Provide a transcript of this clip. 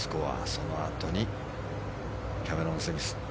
そのあとにキャメロン・スミス。